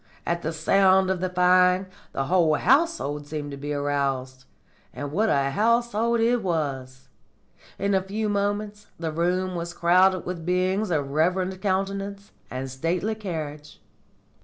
"At the sound of the firing the whole household seemed to be aroused. And what a household it was! In a few moments the room was crowded with beings of reverend countenance and stately carriage.